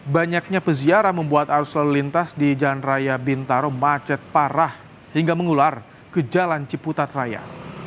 banyaknya peziarah membuat arus lalu lintas di jalan raya bintaro macet parah hingga mengular ke jalan ciputat raya